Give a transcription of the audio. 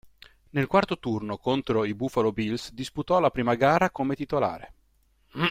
Nel quarto turno contro i Buffalo Bills disputò la prima gara come titolare.